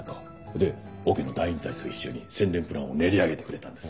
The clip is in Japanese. でオケの団員たちと一緒に宣伝プランを練り上げてくれたんです。